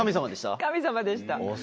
神様でした？